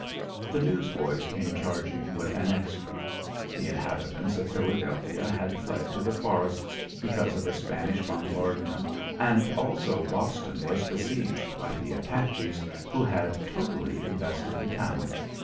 The newsboys came charging with an extra. The inhabitants of Philadelphia had fled to the forests because of a Spanish bombardment and also Boston was besieged by the Apaches who had totally invested the town.